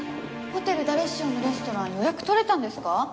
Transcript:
ホテルダレッシオのレストラン予約取れたんですか？